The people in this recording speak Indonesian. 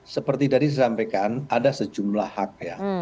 seperti tadi saya sampaikan ada sejumlah hak ya